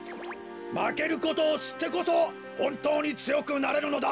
まけることをしってこそほんとうにつよくなれるのだ。